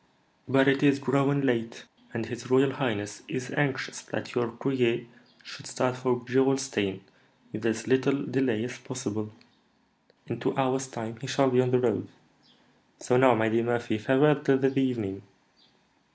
But it is growing late, and his royal highness is anxious that your courier should start for Gerolstein with as little delay as possible." "In two hours' time he shall be on the road. So now, my dear Murphy, farewell till the evening."